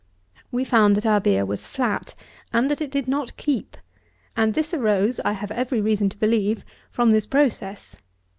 We found that our beer was flat, and that it did not keep. And this arose, I have every reason to believe, from this process.